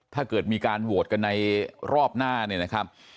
ถ้าเกิดมีการโหวตกันในรอบหน้าเนี่ยนะครับ